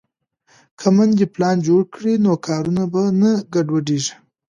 که میندې پلان جوړ کړي نو کارونه به نه ګډوډېږي.